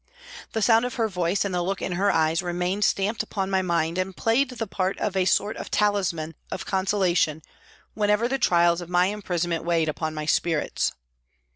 The sound of her voice and the look in her eyes remained stamped upon my mind, and played the part of a sort of talisman of con solation whenever the trials of my imprisonment weighed upon my spirits.